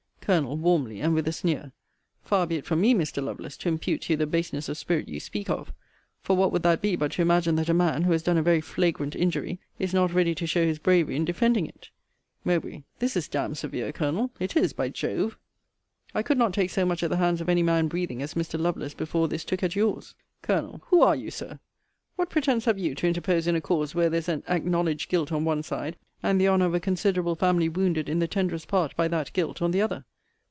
Col. (warmly, and with a sneer,) Far be it from me, Mr. Lovelace, to impute to you the baseness of spirit you speak of; for what would that be but to imagine that a man, who has done a very flagrant injury, is not ready to show his bravery in defending it Mowbr. This is d d severe, Colonel. It is, by Jove. I could not take so much at the hands of any man breathing as Mr. Lovelace before this took at your's. Col. Who are you, Sir? What pretence have you to interpose in a cause where there is an acknowledged guilt on one side, and the honour of a considerable family wounded in the tenderest part by that guilt on the other?